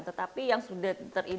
tetapi yang sudah teridentifikasi ratusan